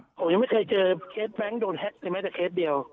ผมยังไม่เคยเจอเคสแบงโดนแฮก์ในแม้แต่ฮกเงินเดียว